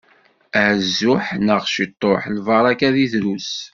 Azuḥ neɣ ciṭuḥ, lbaraka deg drus.